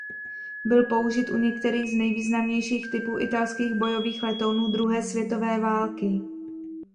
Byl použit u některých z nejvýznamnějších typů italských bojových letounů druhé světové války.